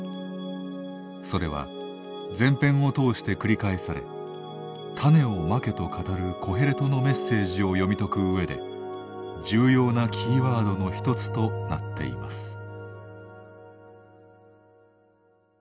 それは全編を通して繰り返され「種を蒔け」と語るコヘレトのメッセージを読み解くうえで重要なキーワードの一つとなっています。